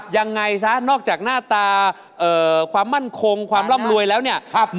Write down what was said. ยังไงซะนอกจากหน้าตาคุณสาวสวยมา๑คนที่กำลังตามหาคู่ของเขาอยู่